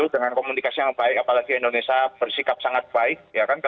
dengan komunikasi yang baik apalagi indonesia bersikap sangat baik